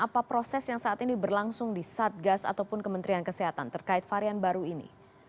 apa proses yang saat ini berlangsung di satgas ataupun kementerian kesehatan terkait varian baru ini